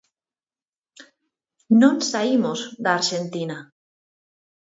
Non saímos da Arxentina.